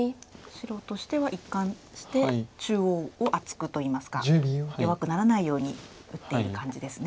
白としては一貫して中央を厚くといいますか弱くならないように打っている感じですね。